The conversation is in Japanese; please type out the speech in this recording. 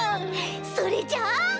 それじゃあ。